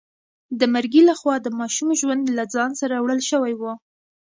د مرګي لخوا د ماشوم ژوند له ځان سره وړل شوی و.